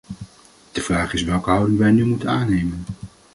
De vraag is welke houding wij nu moeten aannemen.